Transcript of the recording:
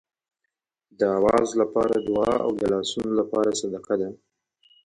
د آواز لپاره دعا او د لاسونو لپاره صدقه ده.